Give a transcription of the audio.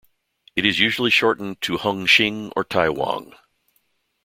It is usually shortened to Hung Shing or Tai Wong.